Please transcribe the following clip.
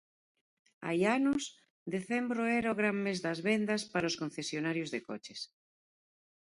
Hai anos, decembro era o gran mes das vendas para os concesionarios de coches.